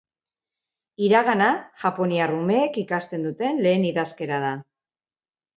Hiragana japoniar umeek ikasten duten lehen idazkera da.